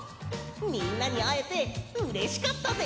みんなにあえてうれしかったぜ！